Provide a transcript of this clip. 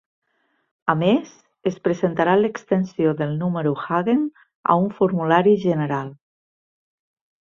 A més, es presentarà l'extensió del número Hagen a un formulari general.